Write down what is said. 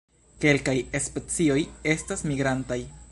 Kelkaj specioj estas migrantaj.